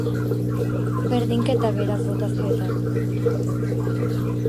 Berdinketa, beraz botazioetan.